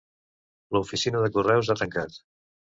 La oficina de correus ha tancat.